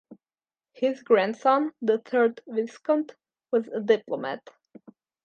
His grandson, the third Viscount, was a diplomat.